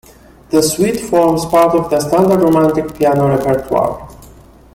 The suite forms part of the standard Romantic piano repertoire.